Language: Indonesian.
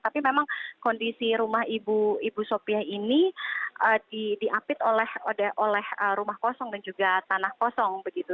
tapi memang kondisi rumah ibu sopiah ini diapit oleh rumah kosong dan juga tanah kosong begitu